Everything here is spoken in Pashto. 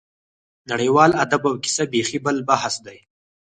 نړیوال ادب او کیسه بېخي بل بحث دی.